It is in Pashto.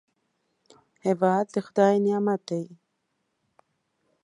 هېواد د خدای نعمت دی